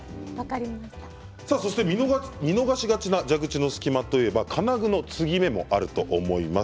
見逃しがちな蛇口の隙間といえば金具の継ぎ目もあると思います。